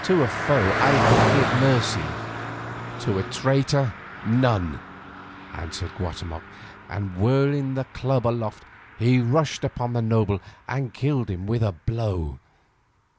"To a foe I can give mercy—to a traitor, none," answered Guatemoc, and whirling the club aloft, he rushed upon the noble and killed him with a blow.